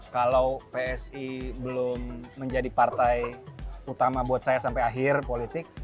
kalau psi belum menjadi partai utama buat saya sampai akhir politik